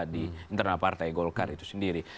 di internal partai golkar itu sendiri